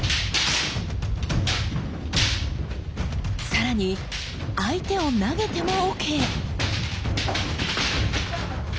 さらに相手を投げてもＯＫ！